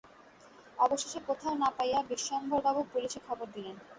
অবশেষে কোথাও না পাইয়া বিশ্বম্ভরবাবু পুলিসে খবর দিলেন।